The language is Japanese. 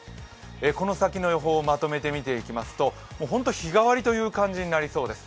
この先の予報をまとめてみていきますと本当、日替わりという感じになりそうです。